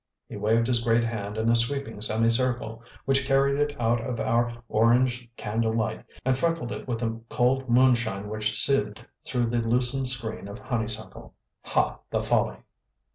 He waved his great hand in a sweeping semicircle which carried it out of our orange candle light and freckled it with the cold moonshine which sieved through the loosened screen of honeysuckle. "Ha, the folly!"